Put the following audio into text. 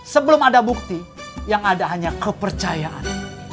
sebelum ada bukti yang ada hanya kepercayaan